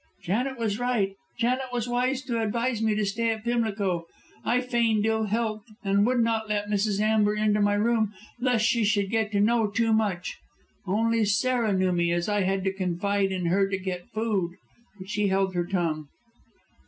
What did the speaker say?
Janet was right, Janet was wise to advise me to stay at Pimlico. I feigned ill health, and would not let Mrs. Amber into my room lest she should get to know too much. Only Sarah knew me, as I had to confide in her to get food. But she held her tongue."